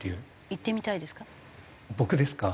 行ってみたいですか？